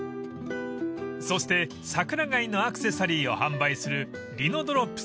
［そして桜貝のアクセサリーを販売する］